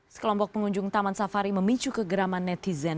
sekelompok pengunjung taman safari memicu kegeraman netizen